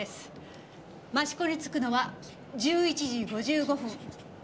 益子に着くのは１１時５５分。